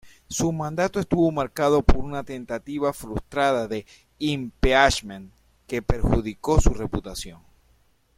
Su mandato estuvo marcado por una tentativa frustrada de impeachment, que perjudicó su reputación.